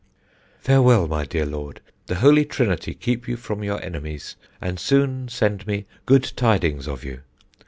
"Farewell, my dear Lord! the Holy Trinity keep you from your enemies, and soon send me good tidings of you.